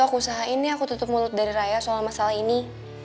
aku usahain nih aku tutup mulut dari raya soal masalah ini